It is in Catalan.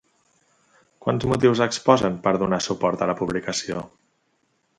Quants motius exposen per donar suport a la publicació?